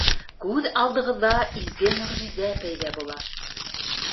Күҙ алдығыҙҙа изге мөғжизә пәйҙә була.